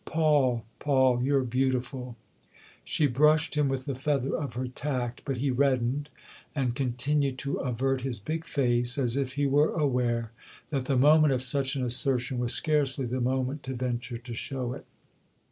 " Paul, Paul you're beautiful !" She brushed him with the feather of her tact, but he reddened and continued to avert his big face, as if he were aware that the moment of such an assertion was scarcely the moment to venture to show it.